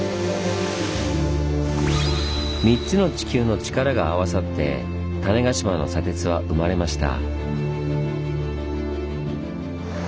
３つの地球のチカラが合わさって種子島の砂鉄は生まれました。